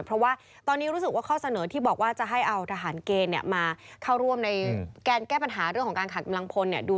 เพราะว่าตอนนี้รู้สึกว่าข้อเสนอที่บอกว่าจะให้เอาทหารเกณฑ์มาเข้าร่วมในการแก้ปัญหาเรื่องของการขัดกำลังพลเนี่ย